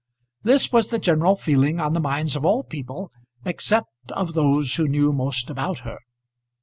This was the general feeling on the minds of all people, except of those who knew most about her.